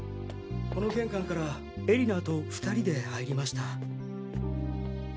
この玄関から絵里菜と２人で入りました。